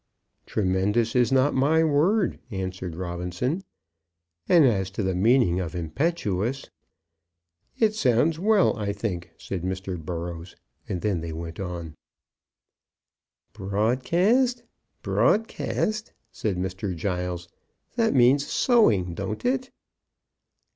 "Tremendous is not my word," answered Robinson; "and as to the meaning of impetuous " "It sounds well, I think," said Mr. Burrows; and then they went on. "Broadcast broadcast!" said Mr. Giles. "That means sowing, don't it?"